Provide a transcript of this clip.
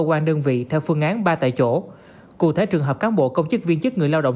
cơ quan đơn vị theo phương án ba tại chỗ cụ thể trường hợp cán bộ công chức viên chức người lao động